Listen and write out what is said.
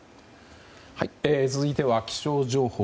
続いては気象情報。